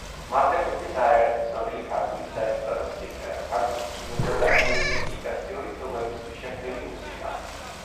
მას ეკუთვნის არაერთი ცნობილი ქართული საესტრადო სიმღერა, ქართული კინოსა და მულტიპლიკაციური ფილმებისთვის შექმნილი მუსიკა.